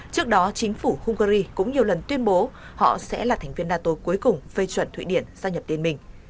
trước đó chính phủ hungary cũng nhiều lần tuyên bố họ sẽ là thành viên nato cuối cùng phê chuẩn thụy điển gia nhập liên minh